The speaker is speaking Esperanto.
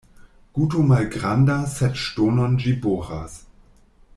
Guto malgranda, sed ŝtonon ĝi boras.